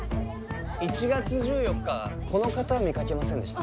１月１４日この方見かけませんでした？